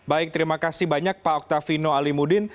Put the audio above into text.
baik terima kasih banyak pak octavino alimudin